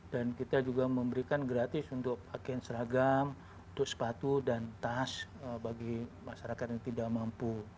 dan kita juga memberikan gratis untuk pakaian seragam untuk sepatu dan tas bagi masyarakat yang tidak mampu